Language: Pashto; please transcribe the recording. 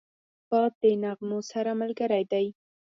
باد د نغمو سره ملګری دی